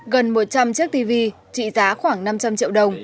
gần một trăm linh chiếc tv trị giá khoảng năm trăm linh triệu đồng